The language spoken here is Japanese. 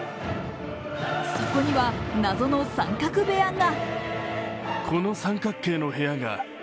そこには謎の三角部屋が。